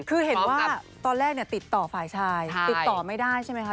คือเห็นว่าตอนแรกติดต่อฝ่ายชายติดต่อไม่ได้ใช่ไหมคะ